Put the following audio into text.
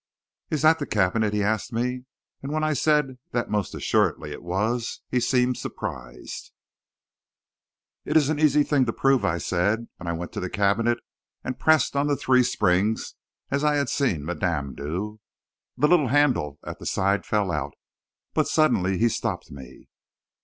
"'Is that the cabinet?' he asked me, and when I said that most assuredly it was, he seemed surprised. "'It is an easy thing to prove,' I said, and I went to the cabinet and pressed on the three springs, as I had seen madame do. The little handle at the side fell out, but suddenly he stopped me.